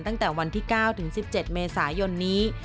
ตั้งแต่วันที่๙ถึง๑๗เมษายนนี้